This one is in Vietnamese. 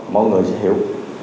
mọi người sẽ hiểu